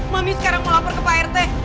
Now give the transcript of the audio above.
mami sekarang mau lapar ke prt